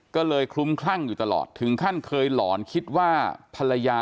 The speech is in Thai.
ก็เลยคลุ้มคลั่งอยู่ตลอดถึงขั้นเคยหลอนคิดว่าภรรยา